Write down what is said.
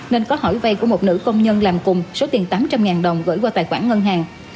nên có hỏi vay của một nữ công nhân làm cùng số tiền tám trăm linh đồng gửi qua tài khoản ngân hàng